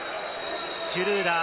シュルーダー。